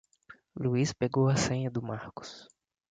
Luiz pegou a senha do Marcos.